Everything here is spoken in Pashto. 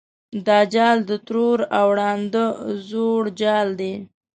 دا جال د ترور او ړانده زوړ جال دی.